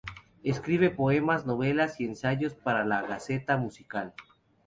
Escribe poemas, novelas y ensayos para la "Gaceta Musical".